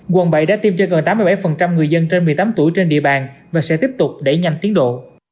quận bảy đã tiêm cho gần tám mươi bảy người dân trên một mươi tám tuổi trên địa bàn và sẽ tiếp tục đẩy nhanh tiến độ